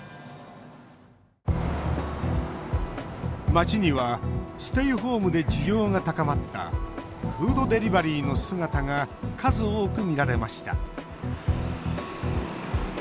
街にはステイホームで需要が高まったフードデリバリーの姿が数多く見られました。